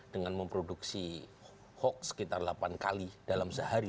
dengan memproduksi hoax sekitar delapan kali dalam sehari